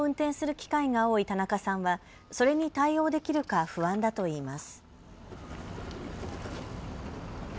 車を運転する機会が多い田中さんはそれに対応できるか不安だといいます。